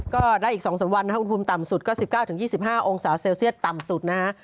ก็ได้อีก๒๓วันนะครับอุณหภูมิต่ำสุดก็๑๙๒๕องศาเซลเซียตต่ำสุดนะฮะ